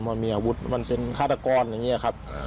มันมีอาวุธมันเป็นฆาตกรอย่างนี้ครับ